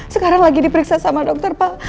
sekarang lagi diperiksa sama dokter pak